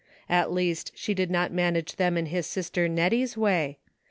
At least she did not manage them in his sister Nettie's way.